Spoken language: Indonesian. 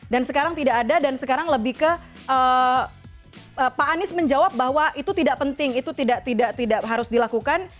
dan sekarang tidak ada dan sekarang lebih ke pak anies menjawab bahwa itu tidak penting itu tidak harus dilakukan